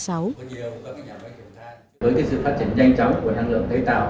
với sự phát triển nhanh chóng của năng lượng tái tạo